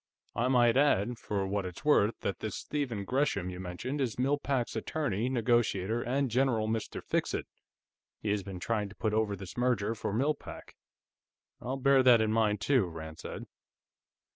I might add, for what it's worth, that this Stephen Gresham you mentioned is Mill Pack's attorney, negotiator, and general Mr. Fixit; he has been trying to put over this merger for Mill Pack." "I'll bear that in mind, too," Rand said.